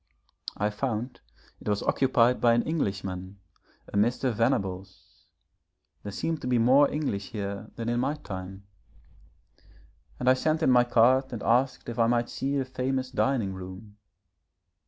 I found it was occupied by an Englishman, a Mr. Venables there seem to be more English here than in my time and I sent in my card and asked if I might see the famous dining room.